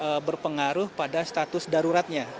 status ini berpengaruh pada status daruratnya